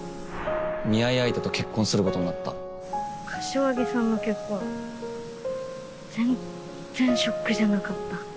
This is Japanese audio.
見合い相手と結婚することになった柏木さんの結婚全然ショックじゃなかった。